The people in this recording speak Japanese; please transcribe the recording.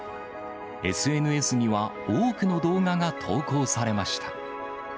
ＳＮＳには多くの動画が投稿されました。